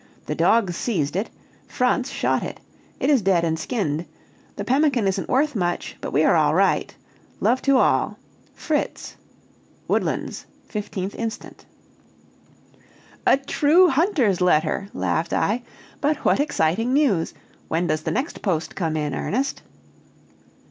The dogs seized it. Franz shot it. It is dead and skinned. The pemmican isn't worth much, but we are all right. Love to all. "FRITZ. "WOODLANDS, 15th instant." "A true hunter's letter!" laughed I; "but what exciting news. When does the next post come in, Ernest?"